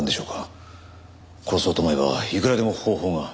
殺そうと思えばいくらでも方法が。